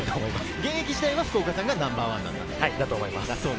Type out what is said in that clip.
現役時代は福岡さんがナンバーワンだったんですね。